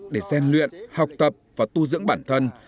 để gian luyện học tập và tu dưỡng bản thân